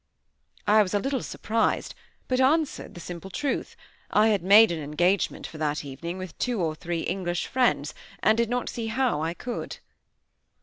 I was a little surprised, but answered the simple truth: I had made an engagement for that evening with two or three English friends, and did not see how I could.